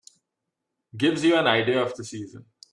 Gives you an idea of the season.